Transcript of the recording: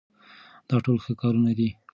دا ټول ښه کارونه دي.